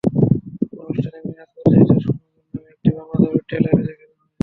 অনুষ্ঠানে মিনহাজ পরিচালিত সুরিনগর নামে একটি বাংলা ছবির ট্রেলারও দেখানো হয়।